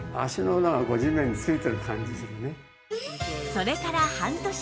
それから半年。